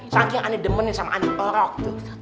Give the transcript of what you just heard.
saking aneh demenin sama anak orok